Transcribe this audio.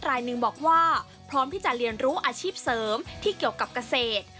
รายหนึ่งบอกว่าพร้อมที่จะเรียนรู้อาชีพเสริมที่เกี่ยวกับเกษตร